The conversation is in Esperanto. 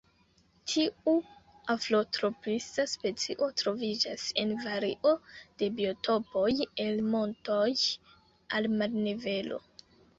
Tiu afrotropisa specio troviĝas en vario de biotopoj el montoj al marnivelo.